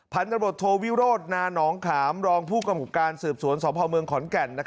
ผันระบบโทวิโรธนนขามรองผู้กำกลับการสืบสวนสพขอนแก่น